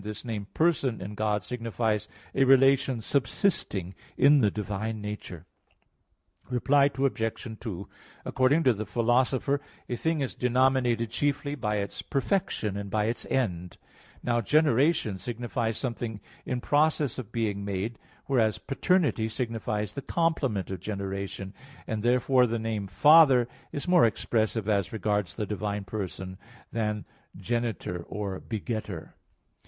29, A. 4), this name "person" in God signifies a relation subsisting in the divine nature. Reply Obj. 2: According to the Philosopher (De Anima ii, text 49), a thing is denominated chiefly by its perfection, and by its end. Now generation signifies something in process of being made, whereas paternity signifies the complement of generation; and therefore the name "Father" is more expressive as regards the divine person than genitor or begettor.